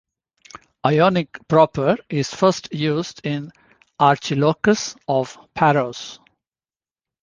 Ionic proper is first used in Archilochus of Paros.